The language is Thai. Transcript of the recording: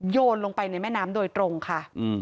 โยนลงไปในแม่น้ำโดยตรงค่ะ